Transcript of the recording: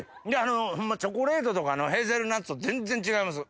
ホンマチョコレートとかのヘーゼルナッツと全然違います。